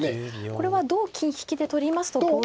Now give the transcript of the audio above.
これは同金引で取りますと５三。